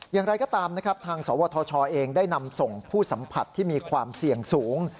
อย่างไรก็ตามนะครับทางสวทชเองได้นำส่งผู้สัมผัสที่มีความเสี่ยงสูง